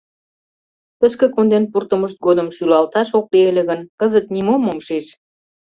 Тышке конден пуртымышт годым шӱлалташ ок лий ыле гын, кызыт нимом ом шиж.